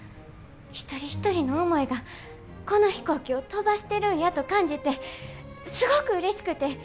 一人一人の思いがこの飛行機を飛ばしてるんやと感じてすごくうれしくて。